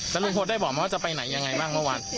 แล้วลุงพลได้บอกไหมว่าจะไปไหนยังไงบ้างเมื่อวาน